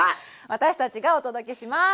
私たちがお届けします！